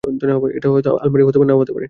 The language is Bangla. এটা হয়ত আলমারিও হতে পারে।